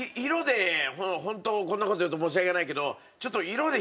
ホントこんな事言うと申し訳ないけどちょっと。